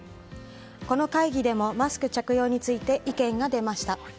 この会議でもマスク着用について意見が出ました。